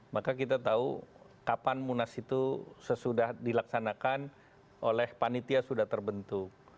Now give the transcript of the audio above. maka kita tahu kapan munas itu sesudah dilaksanakan oleh panitia sudah terbentuk